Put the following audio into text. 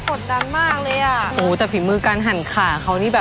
โอ้โหแต่ฝีมือการหั่นขาเขานี่แบบ